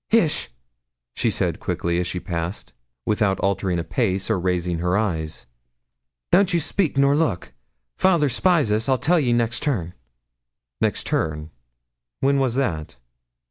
'Hish!' she said quickly, as she passed, without altering a pace or raising her eyes; 'don't ye speak nor look fayther spies us; I'll tell ye next turn.' 'Next turn' when was that?